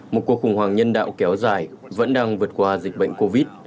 một cuộc khủng hoảng nhân đạo kéo dài vẫn đang vượt qua dịch bệnh covid